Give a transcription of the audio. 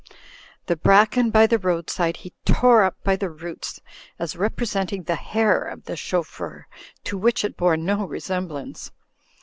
The bracken by the roadside he tore up by the roots, as representing the hair of the chauffeur, to which it bore no resem blance.